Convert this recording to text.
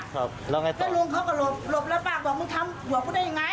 ครับแล้วไงต่อแล้วลุงเขาก็หลบหลบแล้วป้าก็บอกมึงทำหลวงพูดได้ยังไง